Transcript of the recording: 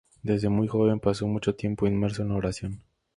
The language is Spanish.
Desde muy joven, pasó mucho tiempo inmerso en la oración.